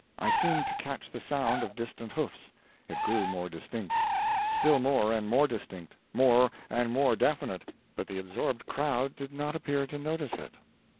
I seemed to catch the sound of distant hoofs it grew more distinct still more and more distinct, more and more definite, but the absorbed crowd did not appear to notice it.